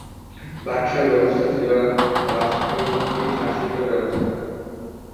বাকশাল ব্যবস্থা ছিল রাষ্ট্রপতি শাসিত ব্যবস্থা।